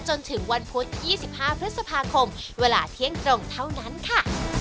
จนถึงวันพุธ๒๕พฤษภาคมเวลาเที่ยงตรงเท่านั้นค่ะ